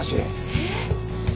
えっ。